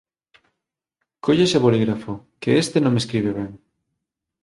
Colle ese bolígrafo, que este non escribe ben.